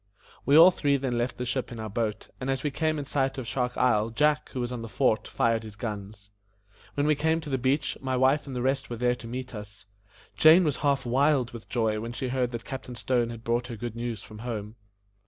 We all three then left the ship in our boat, and as we came in sight of Shark Isle, Jack, who was on the fort, fired his guns. When we came to the beach, my wife and the rest were there to meet us. Jane was half wild with joy when she heard that Captain Stone had brought her good news from home.